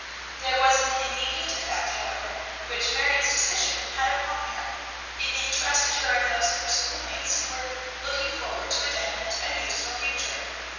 There was an immediate effect, however, which Marion's decision had upon her. It interested her in those of her schoolmates who were looking forward to a definite and useful future.